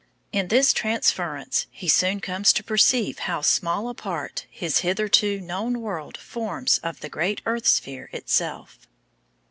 In this transference he soon comes to perceive how small a part his hitherto known world forms of the great earth sphere itself.